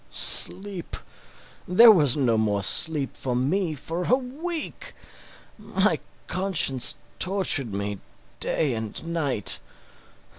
Sleep! There was no more sleep for me for a week. My conscience tortured me day and night.